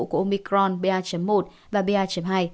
của omicron br một và br hai